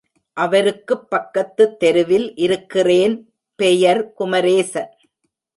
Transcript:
அவருக்குப் பக்கத்துத் தெருவில் இருக்கிறேன், பெயர் குமரேசன்!